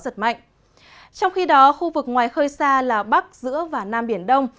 trong khi đó khu vực ngoài khơi xa là bắc giữa và nam biển đông